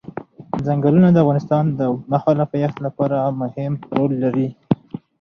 ځنګلونه د افغانستان د اوږدمهاله پایښت لپاره مهم رول لري.